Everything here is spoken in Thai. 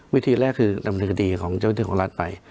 วิธีแรกคือทำหนึ่งดีของจะพิธีของรัฐไป